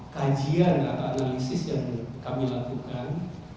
kajian atau analisis yang kami lakukan